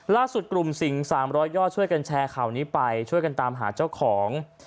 ล่าสุดกลุ่มสิง๓๐๐ย่อช่วยกันแชร์ข่าวนี้ไปช่วยกันตามหาเจ้าของ